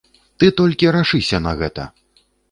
Ты толькі рашыся на гэта!